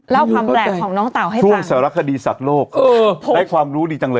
เล่าความแหลกของน้องเต่าให้ต่าง